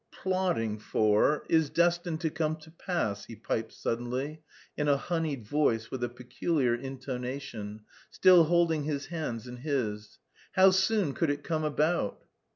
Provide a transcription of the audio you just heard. plotting for is destined to come to pass..." he piped suddenly, in a honeyed voice with a peculiar intonation, still holding his hands in his. "How soon could it come about?"